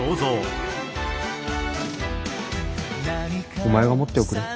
お前が持っておくれ。